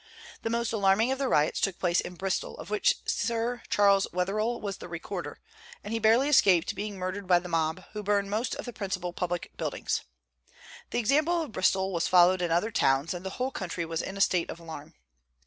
The most alarming of the riots took place in Bristol, of which Sir Charles Wetherell was the recorder, and he barely escaped being murdered by the mob, who burned most of the principal public buildings. The example of Bristol was followed in other towns, and the whole country was in a state of alarm.